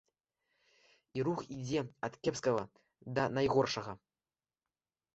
І рух ідзе ад кепскага да найгоршага.